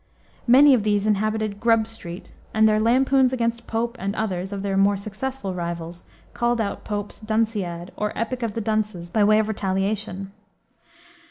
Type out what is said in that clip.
Many of these inhabited Grub Street, and their lampoons against Pope and others of their more successful rivals called out Pope's Dunciad, or epic of the dunces, by way of retaliation.